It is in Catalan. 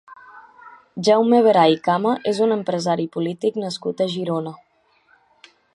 Jaume Veray Cama és un empresari i polític nascut a Girona.